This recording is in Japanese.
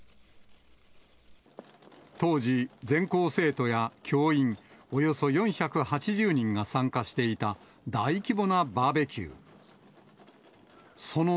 当時、全校生徒や教員、およそ４８０人が参加していた大規模なバーベキュー。